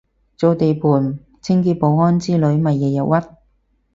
做地盤清潔保安之類咪日日郁